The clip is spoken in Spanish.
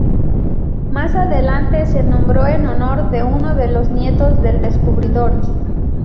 Más adelante se nombró en honor de uno de los nietos del descubridor.